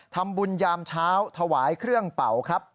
ทำบุญยามเช้าถวายเครื่องเป่าครับ